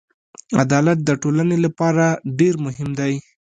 عدالت د ټولنې لپاره ډېر مهم دی.